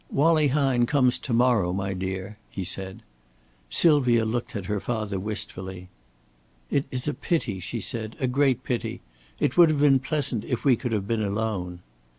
"Wallie Hine comes to morrow, my dear," he said. Sylvia looked at her father wistfully. "It is a pity," she said, "a great pity. It would have been pleasant if we could have been alone."